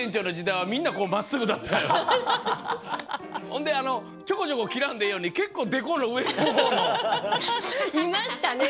ほんであのちょこちょこきらんでええようにけっこうでこのうえ。いましたね！